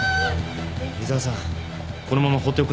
井沢さんこのまま放っておくんですか？